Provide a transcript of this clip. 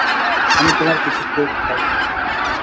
আমি তোমার কিছু কেক খাবো।